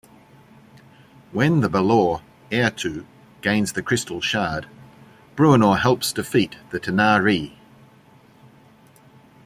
When the balor Errtu gains the Crystal Shard, Bruenor helps defeat the tanar'ri.